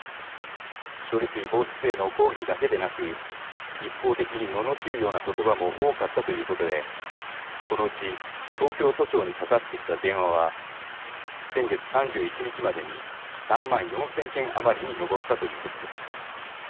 処理水放出への抗議だけでなく一方的にののしるような言葉も多かったということでこのうち東京都庁にかかってきた電話は先月３１日までに３万４０００件余りに上ったということです。